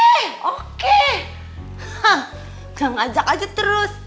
gak ngajak aja terus jalan jalannya sendiri terus